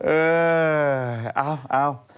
เออเพราะนะ